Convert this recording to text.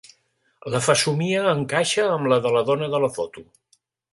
La fesomia encaixa amb la de la dona de la foto.